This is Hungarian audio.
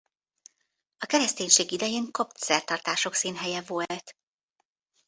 A kereszténység idején kopt szertartások színhelye volt.